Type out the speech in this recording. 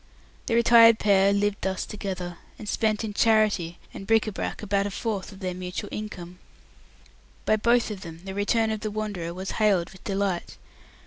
The retired pair lived thus together, and spent in charity and bric a brac about a fourth of their mutual income. By both of them the return of the wanderer was hailed with delight.